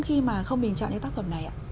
khi mà không bình chọn cho tác phẩm này ạ